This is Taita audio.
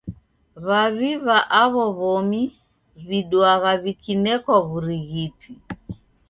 W'aw'i w'a aw'o w'omi w'iduagha w'ikinekwa w'urighiti.